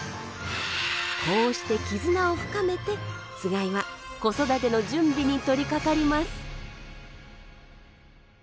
こうしてきずなを深めてつがいは子育ての準備に取りかかります。